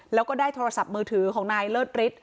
แล้วก็ได้โทรศัพท์มือถือของนายเลิศฤทธิ